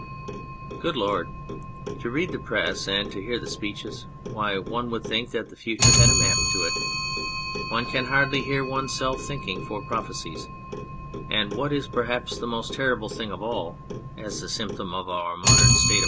Good Lord ! To read the Press and to hear the speeches ! Why, one would think that the future had a map to it ! One can hardly hear one's self think for prophecies ; and, what is perhaps the most terrible thing of all, as a symptom of our modern state